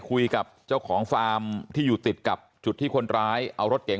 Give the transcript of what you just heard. คุยกับเจ้าของฟาร์มที่อยู่ติดกับจุดที่คนร้ายเอารถเก่ง